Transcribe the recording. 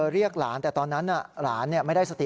เรียกหลานแต่ตอนนั้นหลานไม่ได้สติ